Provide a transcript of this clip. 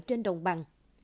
trên đồng bằng